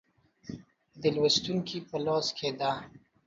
د لوستونکو په لاس کې ده.